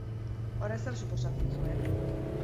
Horrek zer suposatzen zuen?